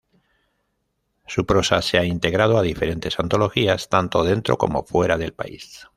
Su prosa se ha integrado a diferentes antologías tanto dentro como fuera del país.